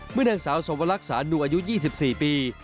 เมื่อนางสาวสวรรคสานุอายุ๒๔ปี